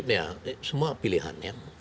ini ya semua pilihannya